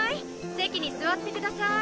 席に座ってください。